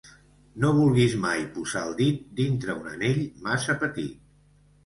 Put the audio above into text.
No vulguis mai posar el dit dintre un anell massa petit.